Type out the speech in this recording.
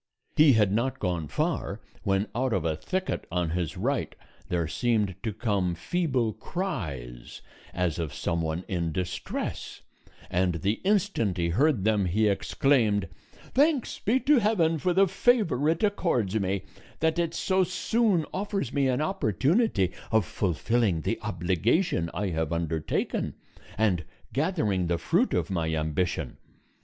He had not gone far, when out of a thicket on his right there seemed to come feeble cries as of some one in distress; and the instant he heard them he exclaimed: "Thanks be to heaven for the favor it accords me, that it so soon offers me an opportunity of fulfilling the obligation I have undertaken, and gathering the fruit of my ambition.